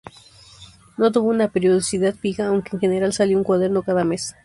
No tuvo una periodicidad fija aunque en general salía un cuaderno cada mes.